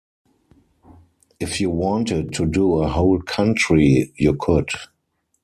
If you wanted to do a whole country, you could.